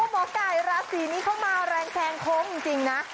หมอไก่ราศีนี้เข้ามาแรงแซงโค้งจริงนะ